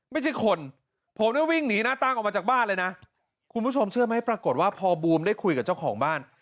ไม่ใช่คนผมเนี่ยวิ่งหนีหน้าตั้งออกมาจากบ้านเลยนะคุณผู้ชมเชื่อไหมปรากฏว่าพอบูมได้คุยกับเจ้าของบ้าน